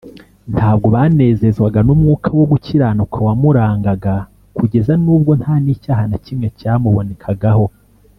. Ntabwo banezezwaga n’umwuka wo gukiranuka wamurangaga kugeza n’ubwo nta n’icyaha na kimwe cyamubonekagaho.